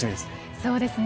そうですね。